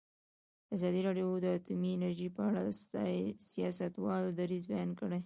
ازادي راډیو د اټومي انرژي په اړه د سیاستوالو دریځ بیان کړی.